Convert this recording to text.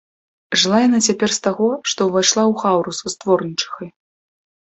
Жыла яна цяпер з таго, што ўвайшла ў хаўрус з дворнічыхай.